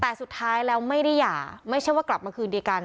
แต่สุดท้ายแล้วไม่ได้หย่าไม่ใช่ว่ากลับมาคืนดีกัน